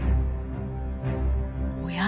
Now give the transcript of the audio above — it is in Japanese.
おや？